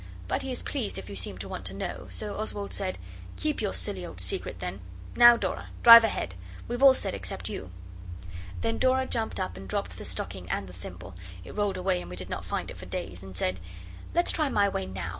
But he is pleased if you seem to want to know, so Oswald said 'Keep your silly old secret, then. Now, Dora, drive ahead. We've all said except you.' Then Dora jumped up and dropped the stocking and the thimble (it rolled away, and we did not find it for days), and said 'Let's try my way now.